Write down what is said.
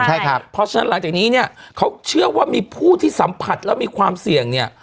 เพราะฉะนั้นหลังจากนี้เขาเชื่อว่ามีผู้ที่สัมผัสแล้วมีความเสี่ยง